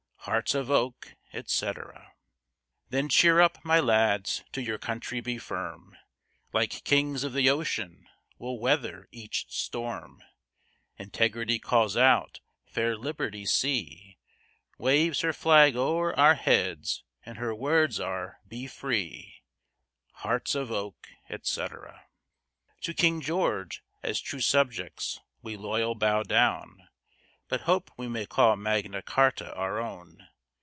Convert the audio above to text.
"Hearts of Oak," etc. Then cheer up, my lads, to your country be firm, Like kings of the ocean, we'll weather each storm; Integrity calls out, fair liberty, see, Waves her Flag o'er our heads and her words are be free! "Hearts of Oak," etc. To King George, as true subjects, we loyal bow down, But hope we may call Magna Charta our own.